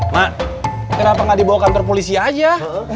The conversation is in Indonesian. mbak kenapa gak dibawa ke kantor polisi aja